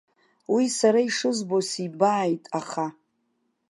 Уи сара ишызбо сибааит, аха.